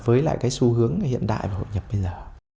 với lại cái xu hướng hiện đại và hội nhập bây giờ